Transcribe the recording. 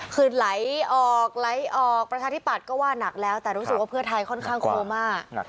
คือไหลออกไหลออกประชาธิปัตย์ก็ว่านักแล้วแต่รู้สึกว่าเพื่อไทยค่อนข้างโคม่า